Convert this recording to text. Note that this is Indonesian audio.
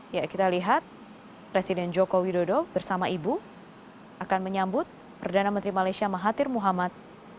ya kita lihat presiden joko widodo bersama ibu akan menyambut perdana menteri malaysia mahathir muhammad